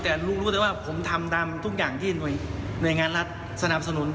แต่ลุงรู้แต่ว่าผมทำตามทุกอย่างที่หน่วยงานรัฐสนับสนุน